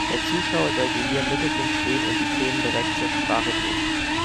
Der Zuschauer sollte hier im Mittelpunkt stehen und die Themen direkt zur Sprache bringen.